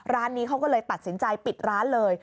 ร้านนี้เขาก็เลยตัดสินใจปิดร้านเลย